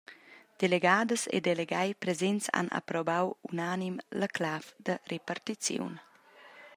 Delegadas e delegai presents han approbau unanim la clav da repartiziun.